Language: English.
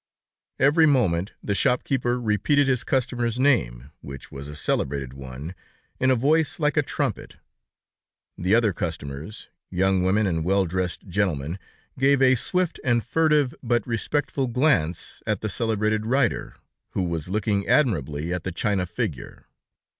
Every moment, the shop keeper repeated his customer's name, which was a celebrated one, in a voice like a trumpet. The other customers, young women and well dressed gentlemen, gave a swift and furtive, but respectful glance at the celebrated writer, who was looking admiringly at the china figure.